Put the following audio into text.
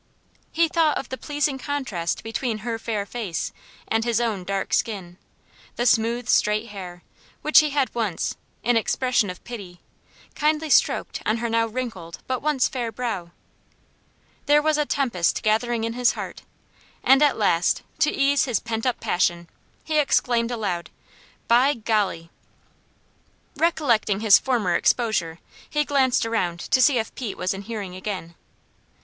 He thought of the pleasing contrast between her fair face and his own dark skin; the smooth, straight hair, which he had once, in expression of pity, kindly stroked on her now wrinkled but once fair brow. There was a tempest gathering in his heart, and at last, to ease his pent up passion, he exclaimed aloud, "By golly!" Recollecting his former exposure, he glanced around to see if Pete was in hearing again.